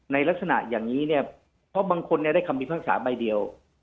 ลักษณะอย่างนี้เนี่ยเพราะบางคนได้คำพิพากษาใบเดียว